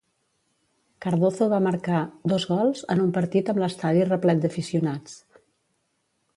Cardozo va marcar dos gols en un partit amb l'estadi replet d'aficionats.